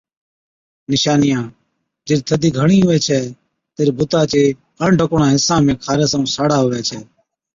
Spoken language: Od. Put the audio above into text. نِشانِيان، جِڏ ٿڌ گھڻِي هُوَي ڇَي تِڏ بُتا چي اڻ ڍڪوڙان حِصان ۾ خارس ائُون ساڙا هُوَي ڇَ۔